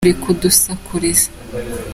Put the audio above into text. Uri kudusakuriza.